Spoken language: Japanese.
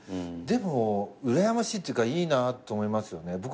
でもうらやましいっていうかいいなと思いますよね。